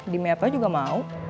demi apa juga mau